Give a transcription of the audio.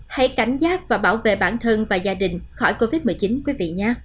hãy cảnh giác và bảo vệ bản thân và gia đình khỏi covid một mươi chín